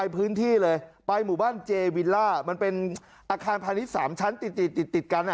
พื้นที่เลยไปหมู่บ้านเจวิลล่ามันเป็นอาคารพาณิชย์๓ชั้นติดติดติดกัน